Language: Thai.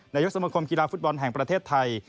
นายกสมคมกีฬาฟุตบอลแห่งประเทศไทย